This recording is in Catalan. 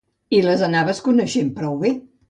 I les anaves coneixent prou bé.